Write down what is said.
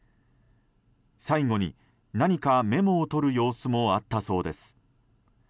最後に、何かメモを取る様子もあったそうです。